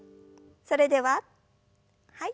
それでははい。